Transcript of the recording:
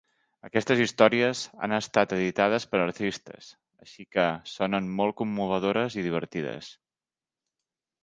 Aquestes històries han estat editades per artistes, així que sonen molt commovedores i divertides.